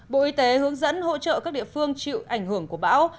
bộ y tế hướng dẫn hỗ trợ các địa phương chịu ảnh hưởng của bão